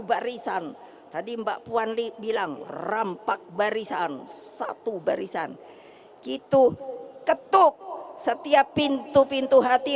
barisan tadi mbak puanli bilang rampak barisan satu barisan gitu ketuk setiap pintu pintu hati